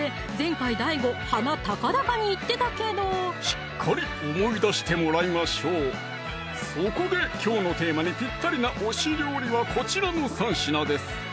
しっかり思い出してもらいましょうそこできょうのテーマにぴったりな推し料理はこちらの３品です